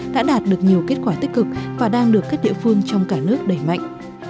đã đạt được nhiều kết quả tích cực và đang được các địa phương trong cả nước đẩy mạnh